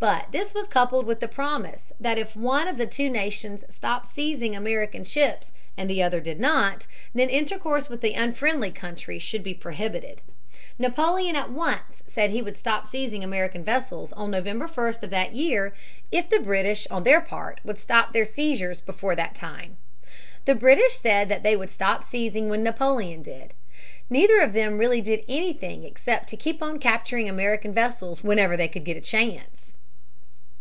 But this was coupled with the promise that if one of the two nations stopped seizing American ships and the other did not, then intercourse with the unfriendly country should be prohibited. Napoleon at once said that he would stop seizing American vessels on November 1 of that year if the British, on their part, would stop their seizures before that time. The British said that they would stop seizing when Napoleon did. Neither of them really did anything except to keep on capturing American vessels whenever they could get a chance.